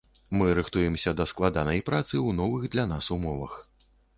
Мы рыхтуемся да складанай працы ў новых для нас умовах.